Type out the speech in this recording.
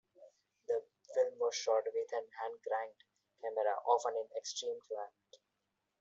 The film was shot with a hand-cranked camera, often in extreme climate.